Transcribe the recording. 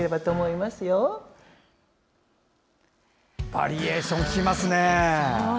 バリエーションありますね。